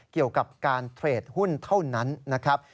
เกี่ยวกับการเทรดหุ้นเท่านั้นนะครับ